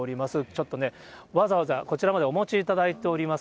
ちょっとね、わざわざこちらまでお持ちいただいております。